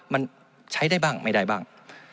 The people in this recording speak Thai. มันใช้ได้บ้างไม่ได้บ้าง